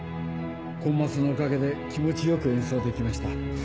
コンマスのおかげで気持ち良く演奏できました。